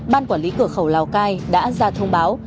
ban quản lý cửa khẩu lào cai đã ra thông báo